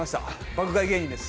爆買い芸人です。